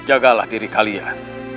jagalah diri kalian